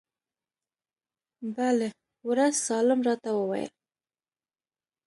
بله ورځ سالم راته وويل.